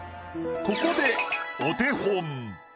ここでお手本。